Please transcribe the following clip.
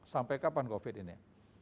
sampai kapan covid ini